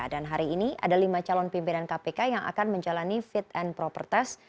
dan hari ini ada lima calon pimpinan kpk yang akan menjalani fit and proper test